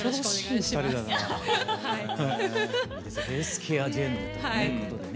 ヘルスケアジェンヌということでね。